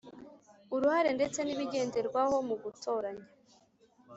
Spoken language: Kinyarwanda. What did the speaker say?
uruhare ndetse n ibigenderwaho mu gutoranya